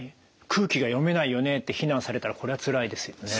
「空気が読めないよね」って非難されたらこれはつらいですよね。